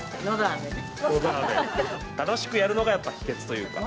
楽しくやるのがやっぱ秘けつというか。